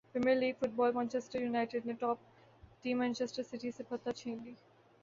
premier League football Manchester United نے top team Manchester City سے فتح چھین لی